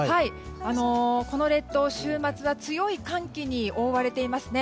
この列島、週末は強い寒気に覆われていますね。